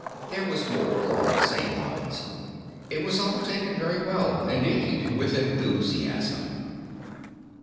_ There was more, along the same lines. It was all taken very well. Indeed, with enthusiasm.